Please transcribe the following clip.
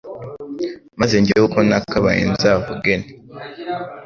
Maze jyewe uko nakabaye nzavuge nti